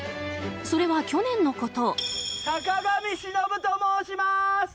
それは去年のこと。